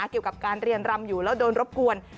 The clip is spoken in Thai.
เกี่ยวกับการเรียนรำอยู่แล้วโดนรบกวน